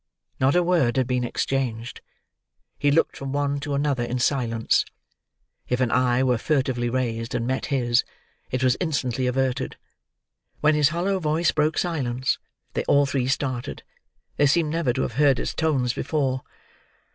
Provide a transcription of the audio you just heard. Not a word had been exchanged. He looked from one to another in silence. If an eye were furtively raised and met his, it was instantly averted. When his hollow voice broke silence, they all three started. They seemed never to have heard its tones before.